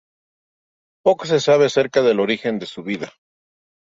Poco se sabe acerca del origen de su vida.